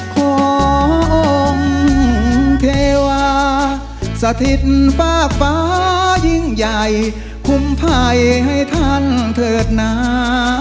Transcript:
องค์เทวาสถิตฟากฟ้ายิ่งใหญ่คุ้มภัยให้ท่านเถิดหนา